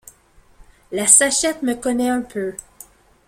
La sachette me connaît un peu.